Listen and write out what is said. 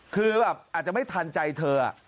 คือแบบอาจจะไม่ทันใจเธอ